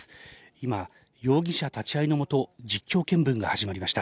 今、容疑者立ち会いのもと、実況見分が始まりました。